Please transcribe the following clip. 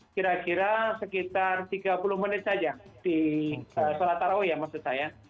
kira kira sekitar tiga puluh menit saja di sholat taraweh ya maksud saya